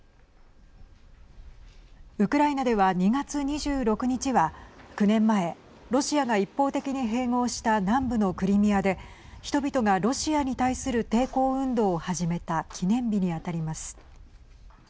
ウクライナでは２月２６日は９年前ロシアが一方的に併合した南部のクリミアで人々がロシアに対する抵抗運動を始めた記念日に当たります。